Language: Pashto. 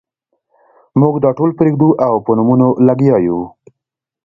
موږ دا ټول پرېږدو او په نومونو لګیا یو.